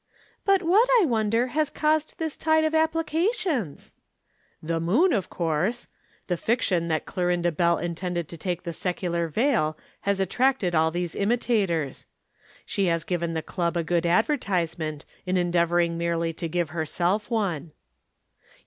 "But what, I wonder, has caused this tide of applications?" "The Moon, of course. The fiction that Clorinda Bell intended to take the secular veil has attracted all these imitators. She has given the Club a good advertisement in endeavoring merely to give herself one."